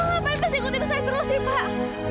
bapak ngapain pas ikutin saya terus sih pak